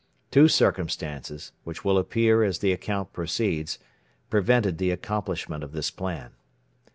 Two circumstances, which will appear as the account proceeds, prevented the accomplishment of this plan.